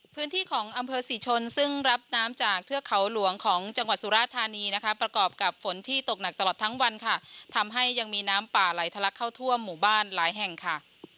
พื้นที่ของอำเภอศรีชนซึ่งรับน้ำจากเทือกเขาหลวงของจังหวัดสุราธานีนะคะประกอบกับฝนที่ตกหนักตลอดทั้งวันค่ะทำให้ยังมีน้ำป่าไหลทะลักเข้าทั่วหมู่บ้านหลายแห่งค่ะ